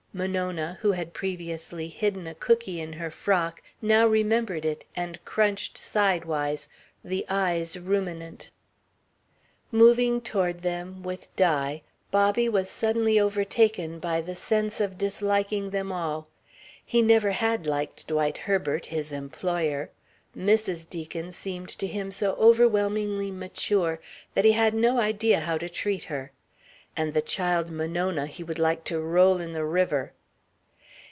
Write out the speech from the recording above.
Monona, who had previously hidden a cooky in her frock, now remembered it and crunched sidewise, the eyes ruminant. Moving toward them, with Di, Bobby was suddenly overtaken by the sense of disliking them all. He never had liked Dwight Herbert, his employer. Mrs. Deacon seemed to him so overwhelmingly mature that he had no idea how to treat her. And the child Monona he would like to roll in the river.